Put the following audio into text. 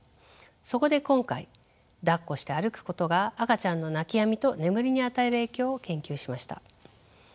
そこで今回だっこして歩くことが赤ちゃんの泣きやみと眠りに与える影響を研究しました。